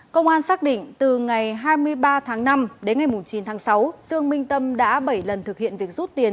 công an xác định từ ngày hai mươi ba tháng năm đến ngày chín tháng sáu dương minh tâm đã bảy lần thực hiện việc rút tiền